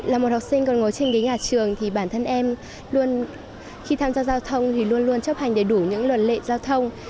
là một học sinh còn ngồi trên ghế nhà trường thì bản thân em luôn khi tham gia giao thông thì luôn luôn chấp hành đầy đủ những luật lệ giao thông